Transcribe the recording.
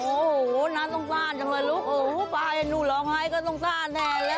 โอ้โห้น้ำต้องส้านจังเลยลูกลุ้กป๊าให้หนู้ปลองไห้ก็ต้องส้านแทนล่ะ